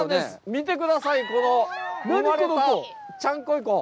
見てください、この生まれたちゃんこい子！